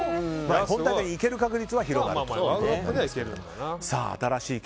本大会に行ける確率は広がりました。